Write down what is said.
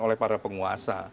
oleh para penguasa